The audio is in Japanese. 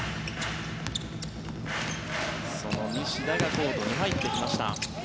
その西田がコートに入ってきました。